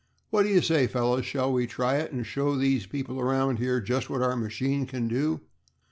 What do you say, fellows, shall we try it and show these people around here just what our machine can do?"